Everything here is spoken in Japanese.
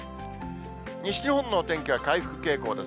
西日本のお天気は回復傾向です。